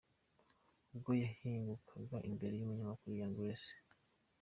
Ubwo yahingukaga imbere yumunyamakuru Young Grace.